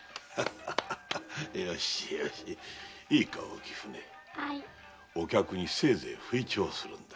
いいか浮舟お客にせいぜい吹聴するのだ。